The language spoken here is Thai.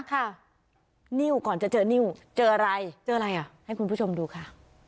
ค่ะนิ้วก่อนจะเจอนิ้วเจออะไรเจออะไรอ่ะให้คุณผู้ชมดูค่ะ